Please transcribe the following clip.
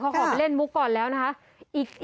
เขาขอไปเล่นมุกก่อนแล้วนะคะ